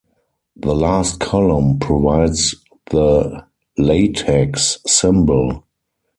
The last column provides the LaTeX symbol.